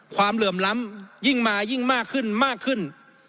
เหลื่อมล้ำยิ่งมายิ่งมากขึ้นมากขึ้น